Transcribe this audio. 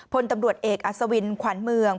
พลตำรวจเอกอัศวินขวัญเมือง